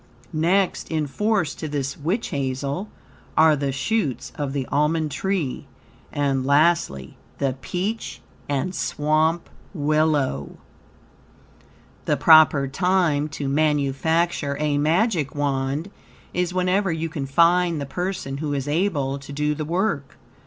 Next in force to this witch hazel are the shoots of the almond tree, and, lastly, the peach and swamp willow. The proper time to manufacture a Magic Wand is whenever you can find the person who is able to do the work.